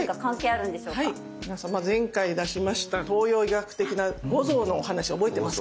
皆さん前回出しました東洋医学的な五臓のお話覚えてますかね。